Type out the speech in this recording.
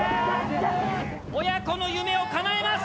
親子の夢を叶えます！